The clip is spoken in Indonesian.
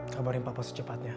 kabarin papa secepatnya